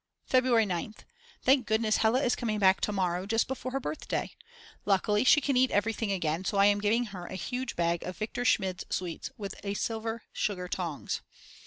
February 9th. Thank goodness Hella is coming back to morrow, just before her birthday. Luckily she can eat everything again so I am giving her a huge bag of Viktor Schmid's sweets with a silver sugar tongs.